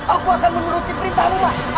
aku akan menguruti perintahmu mak